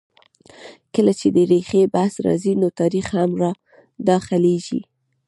کله چې د ریښې بحث راځي؛ نو تاریخ هم را دا خلېږي.